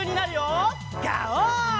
ガオー！